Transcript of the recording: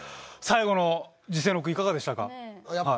最後の辞世の句いかがでしたか？